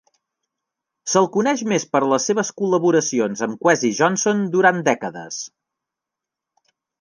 Se'l coneix més per les seves col·laboracions amb Kwesi Johnson durant dècades.